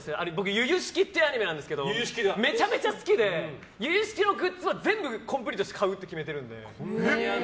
「ゆゆしき」っていうアニメなんですけどめちゃめちゃ好きで「ゆゆ式」のグッズは全部コンプリートして買うって決めてるので。